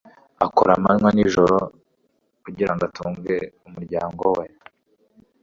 Akora amanywa n'ijoro kugira ngo atunge umuryango we